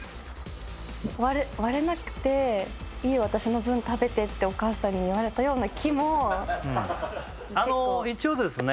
割れ割れなくて「いいよ私の分食べて」ってお母さんに言われたような気もあの一応ですね